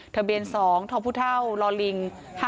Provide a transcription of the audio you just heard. ทะเบียน๒ท้องพุท่าวลอลิง๕๒๙๓